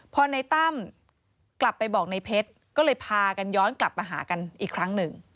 พอในตั้มกลับไปบอกในเพชรก็เลยพากันย้อนกลับมาหากันอีกครั้งหนึ่ง